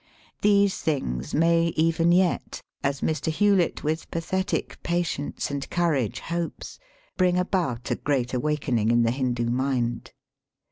These things may even yet, as Mr. Hewlett with pathetic patience and courage hopes, bring about a great awakening in the Hindoo mind.